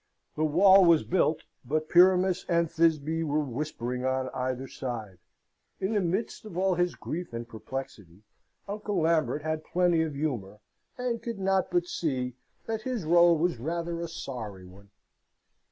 The wall was built, but Pyramus and Thisbe were whispering on either side. In the midst of all his grief and perplexity, Uncle Lambert had plenty of humour, and could not but see that his role was rather a sorry one.